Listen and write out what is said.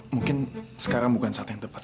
mungkin sekarang bukan saat yang tepat